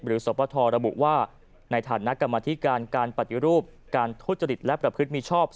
สปทรระบุว่าในฐานะกรรมธิการการปฏิรูปการทุจริตและประพฤติมีชอบ